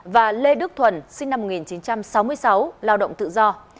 và lê đức thuần sinh năm một nghìn chín trăm sáu mươi sáu lao động tự do